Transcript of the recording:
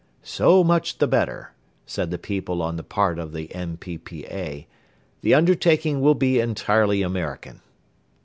"So much the better," said the people on the part of the N.P.P.A. "The undertaking will be entirely American."